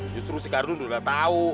justru si karlun udah tau